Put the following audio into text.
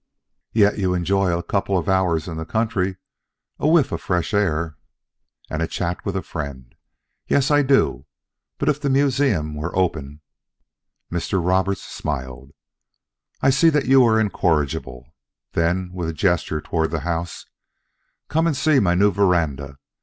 "Yet you enjoy a couple of hours in the country, a whiff of fresh air " "And a chat with a friend. Yes, I do; but if the museum were open " Mr. Roberts smiled. "I see that you are incorrigible." Then, with a gesture toward the house: "Come and see my new veranda.